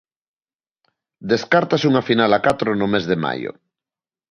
Descártase unha final a catro no mes de maio.